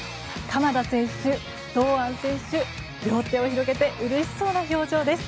鎌田選手、堂安選手両手を広げてうれしそうな表情です。